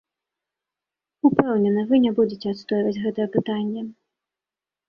Упэўнены, вы не будзеце адстойваць гэтае пытанне.